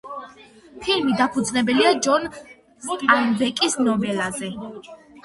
ფილმი დაფუძნებულია ჯონ სტაინბეკის ნოველაზე.